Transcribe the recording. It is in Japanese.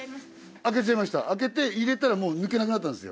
開けちゃいました開けて入れたらもう抜けなくなったんですよ。